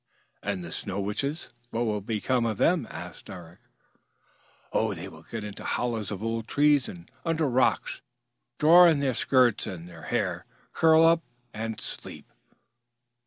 "And the Snow Witches? What will become of them?" asked Eric. "They will get into hollows of old trees and under rocks, draw in their skirts and their hair, curl up and sleep."